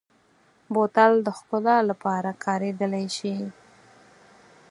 بوتل د ښکلا لپاره کارېدلی شي.